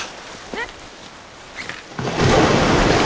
えっ？